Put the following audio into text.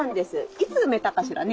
いつ埋めたかしらね？